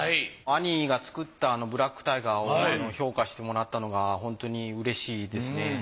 兄が作ったブラック・タイガーを評価してもらったのがホントにうれしいですね。